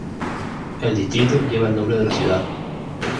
El distrito lleva el nombre de la ciudad.